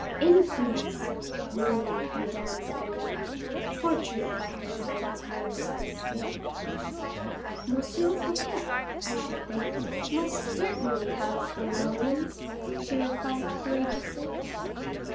"Infamous!" murmured Madame de Belliere, tortured by her friend's merciless delight. "M. Fouquet, I should think, must certainly have four millions," she replied, courageously.